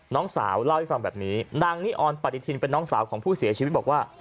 น้องสาวเล่าให้ฟังแบบนี้นางนิออนปฏิทินเป็นน้องสาวของผู้เสียชีวิตบอกว่า